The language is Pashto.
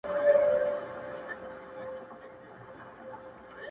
اخښلي در بخښلي، خو چي وچ مي لانده نه کړې.